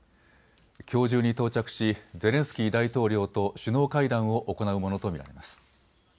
きょう中に到着しゼレンスキー大統領と首脳会談を行うものと見られます。